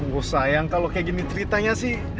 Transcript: gue sayang kalau kayak gini ceritanya sih